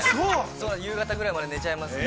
夕方ぐらいまで寝ちゃいますね。